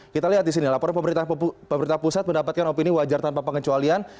kita lihat di sini laporan pemerintah pusat mendapatkan opini wajar tanpa pengecualian